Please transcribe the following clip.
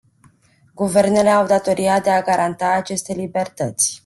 Guvernele au datoria de a garanta aceste libertăți.